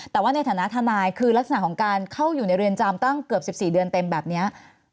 แต่ว่าในฐานะทนายคือลักษณะของการเข้าอยู่ในเรือนจำตั้งเกือบ๑๔เดือนเต็มแบบนี้